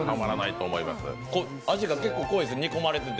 味が結構濃いです、煮込まれてて。